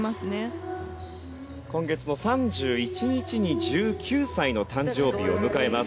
今月の３１日に１９歳の誕生日を迎えます。